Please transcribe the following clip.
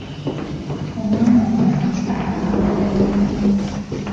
Omwana wange abooga nnyo.